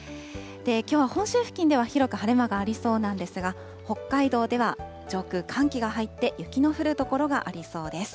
きょうは本州付近では広く晴れ間がありそうなんですが、北海道では上空、寒気が入って、雪の降る所がありそうです。